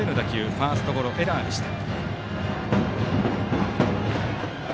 ファーストゴロエラーでした。